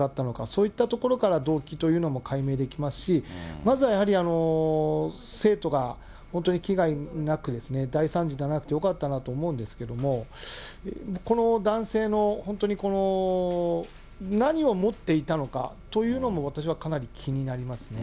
そういったところから動機というのも解明できますし、まずはやはり、生徒が本当に危害なく、大惨事がなくてよかったなと思うんですけども、この男性の、本当に、何を持っていたのかというのも、私はかなり気になりますね。